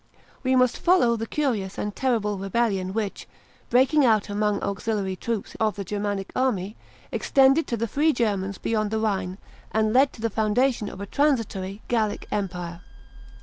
We must first follow the curious and terrible rebellion, which, breaking out among auxiliary troops of the Germanic army, extended to the free Germans beyond the Rhine, and led to the foundation of a transitory "Gallic empire."